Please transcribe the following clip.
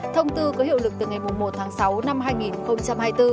thông tư có hiệu lực từ ngày một tháng sáu năm hai nghìn hai mươi bốn